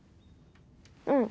うん。